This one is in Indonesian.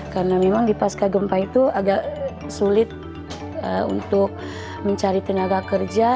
karena memang di pasca gempa itu agak sulit untuk mencari tenaga kerja